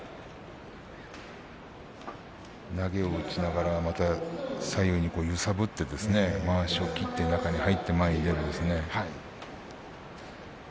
投げを打ちながら左右に揺さぶってまわしを切って中に入って前に出る。